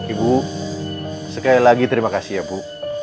ibu sekali lagi terima kasih ya bu